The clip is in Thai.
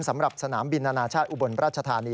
สำหรับสนามบินอนาชาติอุบลราชธานี